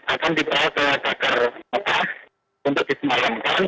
akan dibawa ke dagar mepah untuk disemayangkan